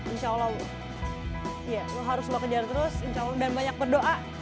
insya allah lo harus lo kejar terus insya allah dan banyak berdoa